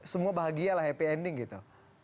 semua bahagia lah happy ending gitu